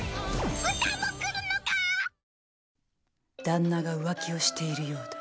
旦那が浮気をしているようだ。